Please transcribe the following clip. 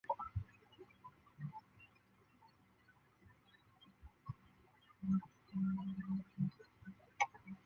伊莉莎白是位于美国阿肯色州富尔顿县的一个非建制地区。